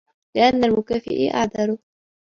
لِأَنَّ الْمُكَافِئَ أَعَذْرُ